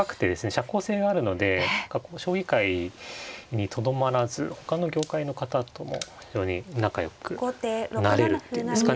社交性があるので将棋界にとどまらずほかの業界の方とも非常に仲よくなれるっていうんですかね